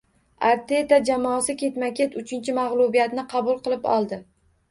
Arteta jamoasi ketma-ket uchinchi mag‘lubiyatni qabul qilib oldi